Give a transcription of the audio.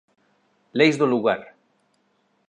Leis do lugar